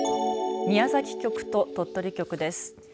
宮崎局と鳥取局です。